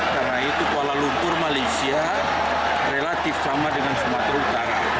karena itu kuala lumpur malaysia relatif sama dengan sumatera utara